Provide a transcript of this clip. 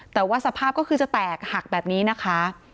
แต่ว่าสภาพก็คือจะแตกหักแบบนี้นะคะ